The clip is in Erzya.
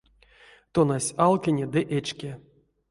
Тонась алкине ды эчке.